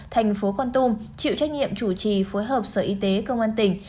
thành phố con tum chịu trách nhiệm chủ trì phối hợp sở y tế công an tỉnh